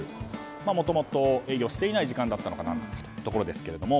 もともと営業していなかった時間だったのかなというところですけども。